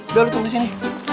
udah lo tunggu sini